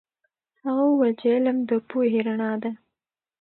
هغه وویل چې علم د پوهې رڼا ده.